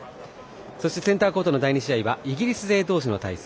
そしてセンターコートの第２試合はイギリス勢同士の対戦。